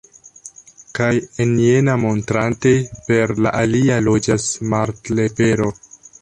Kaj en jena, montrante per la alia, loĝas Martleporo.